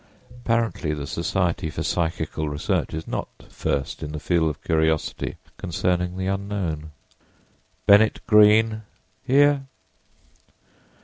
Apparently the Society for Psychical Research is not first in the field of curiosity concerning the Unknown. "Bennett Greene." "Here!"